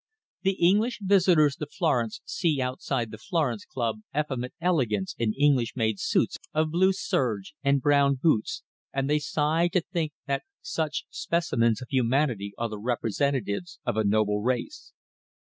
The English visitors to Florence see outside the Florence Club effeminate elegants in English made suits of blue serge, and brown boots, and they sigh to think that such specimens of humanity are the representatives of a noble race.